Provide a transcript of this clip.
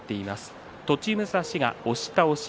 栃武蔵が押し倒し。